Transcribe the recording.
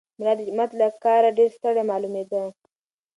ملا د جومات له کاره ډېر ستړی معلومېده.